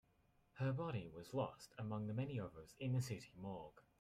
Her body was lost among the many others in the city morgue.